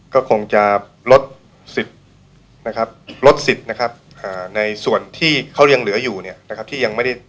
ก็คงจะลดสิทธิ์ในส่วนที่เขายังเหลืออยู่ที่ยังไม่ได้